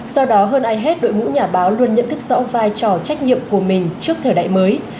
do đó hơn ai hết đội ngũ nhà báo luôn nhận thức rõ vai trò trách nhiệm của mình trước thời đại mới